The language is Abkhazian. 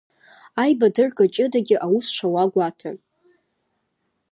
Аибадырга ҷыдагьы аус шауа гәаҭа!